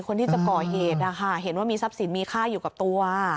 คนที่จะก่อเหตุนะคะเห็นว่ามีทรัพย์สินมีค่าอยู่กับตัว